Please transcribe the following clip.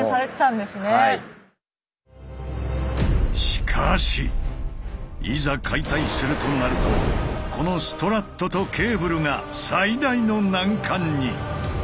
しかしいざ解体するとなるとこのストラットとケーブルが最大の難関に！